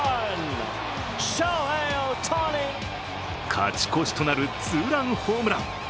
勝ち越しとなるツーランホームラン。